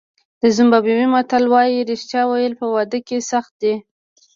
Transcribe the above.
د زیمبابوې متل وایي رښتیا ویل په واده کې سخت دي.